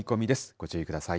ご注意ください。